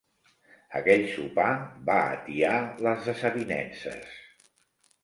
Aquell sopar va atiar les desavinences.